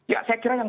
ya saya kira yang